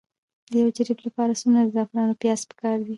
د یو جریب لپاره څومره د زعفرانو پیاز پکار دي؟